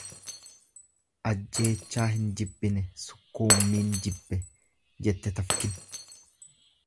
Ajjeechaa hin jibbine sukkuummiin jibbe jette tafkin.